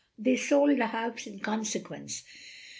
They sold the house in consequence.